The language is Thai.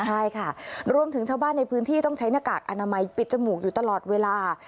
ใช่ค่ะรวมถึงชาวบ้านในพื้นที่ต้องใช้หน้ากากอนามัยปิดจมูกอยู่ตลอดเวลา